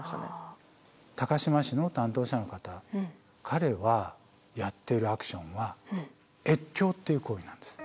高島市の担当者の方彼はやってるアクションは越境っていう行為なんです。